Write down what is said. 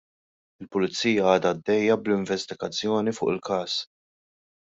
Il-Pulizija għadha għaddejja bl-investigazzjoni fuq il-każ.